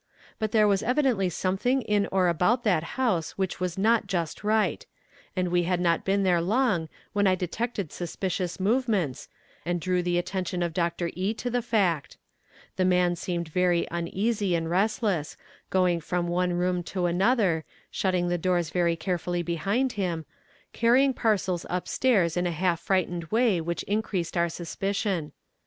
But there was evidently something in or about that house which was not just right and we had not been there long when I detected suspicious movements, and drew the attention of Dr. E. to the fact. The man seemed very uneasy and restless, going from one room to another, shutting the doors very carefully behind him, carrying parcels up stairs in a half frightened way which increased our suspicion.